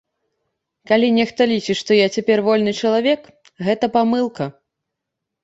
Калі нехта лічыць, што я цяпер вольны чалавек, гэта памылка.